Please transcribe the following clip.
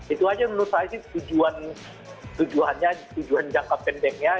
itu aja menurut saya sih tujuan jangka pendeknya